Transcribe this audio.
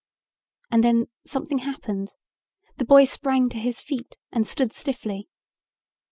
And then something happened. The boy sprang to his feet and stood stiffly.